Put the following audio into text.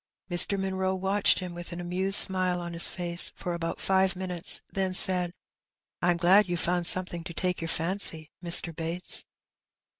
Mr. Munroe watched him with an amused smile on his face for about five minutes, then said — ^'I'm glad you've found something to take your fancy, Mr. Bates.''